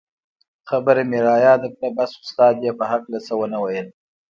خبره مې رایاده کړه بس استاد یې په هکله څه و نه ویل.